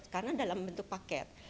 karena dalam bentuk paket